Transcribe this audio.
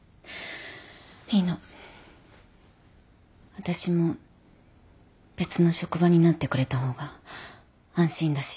私も別の職場になってくれた方が安心だし。